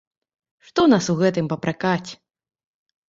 Што нас у гэтым папракаць?